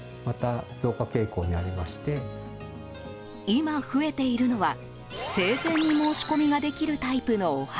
今、増えているのは生前に申し込みができるタイプのお墓。